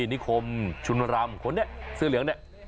นิคมชุนรำคนนี้เสื้อเหลืองเนี่ย